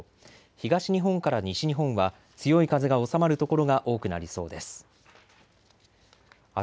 東日本から西日本は強い風が収まる所が多くなりそうです。